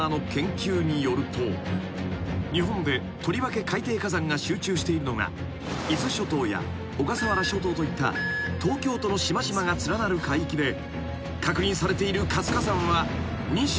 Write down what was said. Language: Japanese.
［日本でとりわけ海底火山が集中しているのが伊豆諸島や小笠原諸島といった東京都の島々が連なる海域で確認されている活火山は２１個］